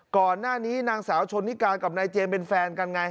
ก่อนหน้านี้นางสาวชนนิกากับนายเจมส์เป็นแฟนกันไง